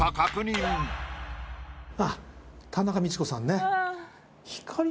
あっ田中道子さんね。